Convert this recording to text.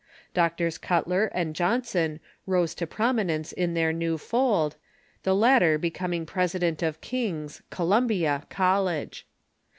Drs. Cutler and Johnson rose to prominence in their new fold, the latter be coming president of Kings (Columbia) College.